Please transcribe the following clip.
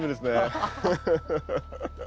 ハハハッ。